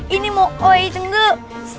ini mau oe cengguk